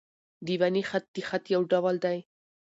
دېواني خط؛ د خط یو ډول دﺉ.